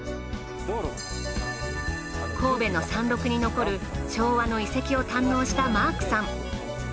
神戸の山麓に残る昭和の遺跡を堪能したマークさん。